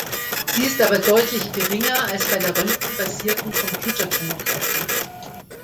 Sie ist aber deutlich geringer als bei der Röntgen-basierten Computertomographie.